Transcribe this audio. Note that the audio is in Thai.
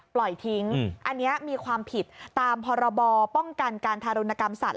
ปล่อยทิ้งอันนี้มีความผิดตามพรบป้องกันการทารุณกรรมสัตว